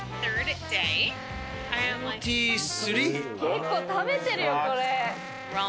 結構食べてるよ、これ。